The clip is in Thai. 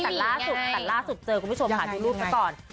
แต่ล่าสุดเจอคุณผู้ชมค่ะที่รูปก่อน